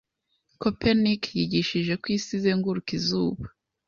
Copernic yigishije ko isi izenguruka izuba.